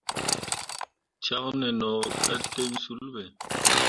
Caŋne no ka ten sul be.